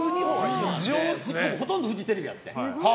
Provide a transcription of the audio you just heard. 僕、ほとんどフジテレビやってん。